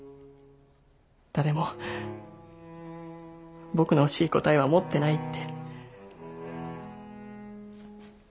誰も僕の欲しい答えは持ってないって。